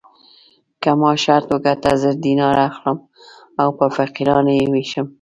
که ما شرط وګټه زر دیناره اخلم او په فقیرانو یې وېشم.